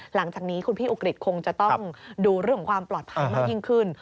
หลังจากนี้คุณพี่อุกฤษคงจะต้องดูเรื่องของความปลอดภัยมากยิ่งขึ้น